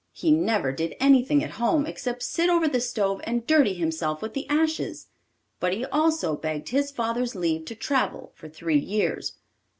He never did anything at home except sit over the stove and dirty himself with the ashes; but he also begged his father's leave to travel for three years.